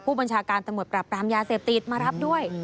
ผู้บัญชาการตำรวจปรับปรามยาเสพติดมารับด้วย